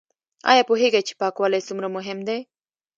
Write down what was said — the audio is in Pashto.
ایا پوهیږئ چې پاکوالی څومره مهم دی؟